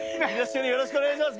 よろしくお願いします。